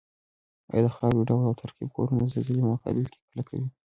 ایا د خاورې ډول او ترکیب کورنه د زلزلې په مقابل کې کلکوي؟